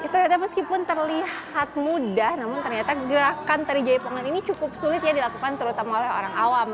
ternyata meskipun terlihat mudah namun ternyata gerakan tari jaipongan ini cukup sulit ya dilakukan terutama oleh orang awam